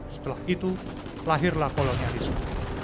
setelah itu lahirlah kolonialisme